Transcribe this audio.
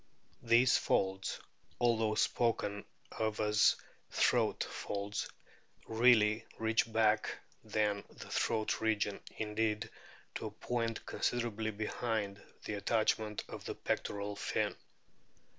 These folds, although spoken of as throat folds, really reach further back than the throat region indeed, to a point considerably behind the attachment of the pectoral fin.